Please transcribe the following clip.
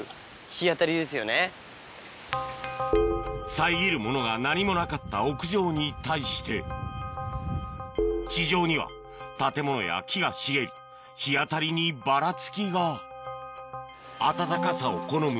遮るものが何もなかった屋上に対して地上には建物や木が茂り日当たりにばらつきが暖かさを好む